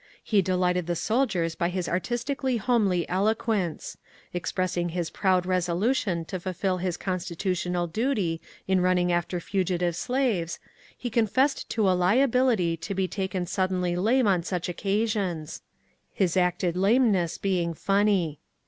He delighted the soldiers by his artistically homely eloquence. Expressing his proud resolu tion to fulfil his constitutional duty in running after fugitive slaves, he confessed to a liability to be taken suddenly lame on such occasions — his acted lameness being funny.